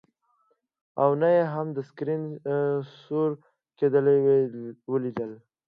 او نه یې هم د سکرین سور کیدل ولیدل